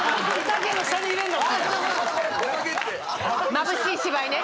まぶしい芝居ね。